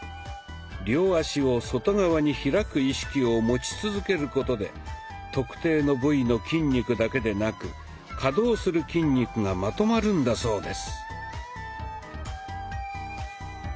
両足を外側に開く意識を持ち続けることで特定の部位の筋肉だけでなく稼働する筋肉がまとまるんだそうです。